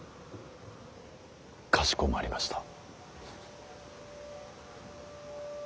かしこまりました。